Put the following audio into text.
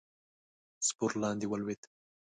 سپور لاندې ولوېد.